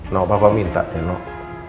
noh bapak minta ya noh